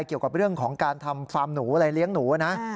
เกี่ยวกับเรื่องของการทำฟาร์มหนูอะไรเลี้ยงหนูนะ